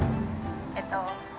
えっと